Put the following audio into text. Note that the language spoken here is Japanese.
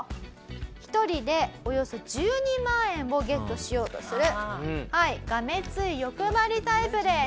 １人でおよそ１２万円をゲットしようとするがめつい欲張りタイプです。